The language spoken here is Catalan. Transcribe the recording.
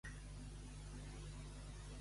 Vagi una cosa per altra.